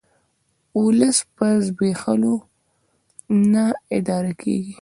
ولس په زبېښولو نه اداره کیږي